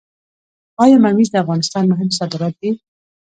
آیا ممیز د افغانستان مهم صادرات دي؟